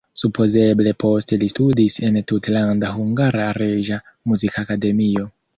Supozeble poste li studis en Tutlanda Hungara Reĝa Muzikakademio.